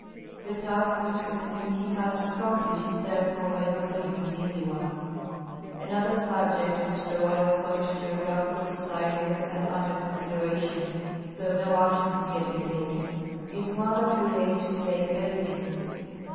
The task which the committee has to accomplish is therefore by no means an easy one. Another subject which the Royal Scottish Geographical Society has had under .consideration, though no action has yet been taken, is one that relates to lake basins.